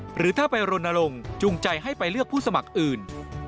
หรือถ้าไปรณรงค์จูงใจให้ไปเลือกผู้สมัครอื่น